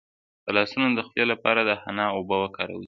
د لاسونو د خولې لپاره د حنا اوبه وکاروئ